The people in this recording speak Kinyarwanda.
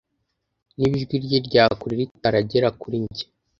niba ijwi rye rya kure ritaragera kuri njye